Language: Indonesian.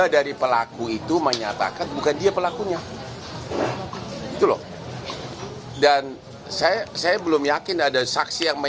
dari pelaku itu menyatakan bukan dia pelakunya itu loh dan saya saya belum yakin ada saksi yang